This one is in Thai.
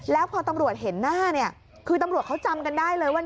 แล้วพอตำรวจเห็นหน้าเนี่ยคือตำรวจเขาจำกันได้เลยว่า